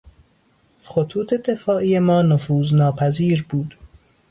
خطوط دفاعی ما نفوذناپذیر بود.